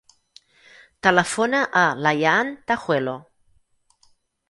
Telefona a l'Ayaan Tajuelo.